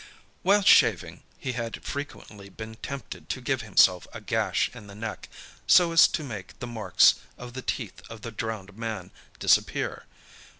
While shaving, he had frequently been tempted to give himself a gash in the neck, so as to make the marks of the teeth of the drowned man disappear.